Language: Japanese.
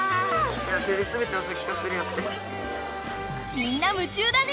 みんな夢中だね！